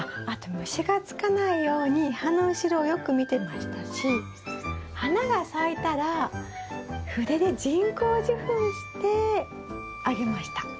あと虫がつかないように葉の後ろをよく見てましたし花が咲いたら筆で人工授粉してあげました。